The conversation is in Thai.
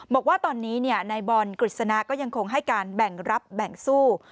บอกว่าตอนนี้นายบอลกฤษณะก็ยังคงให้การแบ่งรับแบ่งสู้